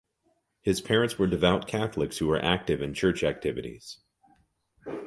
His parents were devout Catholics who were active in church activities.